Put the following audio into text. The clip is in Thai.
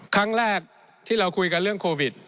ครั้งแรกที่เราคุยกันเรื่องโควิด